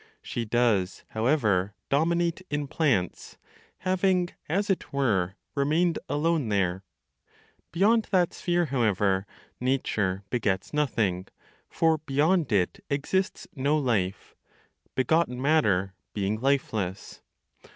She does, however, dominate in plants, having as it were remained alone there. Beyond that sphere, however, nature begets nothing; for beyond it exists no life, begotten (matter) being lifeless.